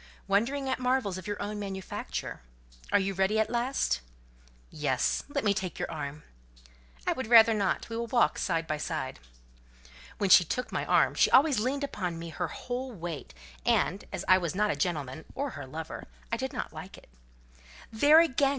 "Wondering at marvels of your own manufacture. Are you ready at last?" "Yes; let me take your arm." "I would rather not: we will walk side by side." When she took my arm, she always leaned upon me her whole weight; and, as I was not a gentleman, or her lover, I did not like it. "There, again!"